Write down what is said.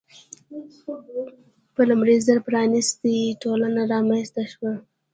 په لومړي ځل پرانیستې ټولنه رامنځته شوه.